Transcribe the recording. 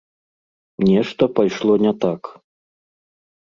Нешта пайшло не так.